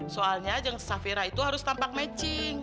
soalnya safira itu harus tampak matching